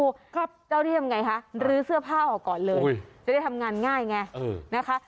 ก็เจ้าที่ทำไงคะรื้อเสื้อผ้าออกก่อนเลยจะได้ทำงานง่ายไงนะคะ